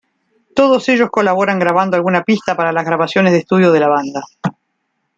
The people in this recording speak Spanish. Todos ellos colaboran grabando alguna pista para las grabaciones de estudio de la banda.